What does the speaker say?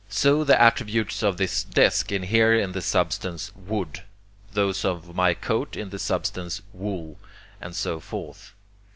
So the attributes of this desk inhere in the substance 'wood,' those of my coat in the substance 'wool,' and so forth.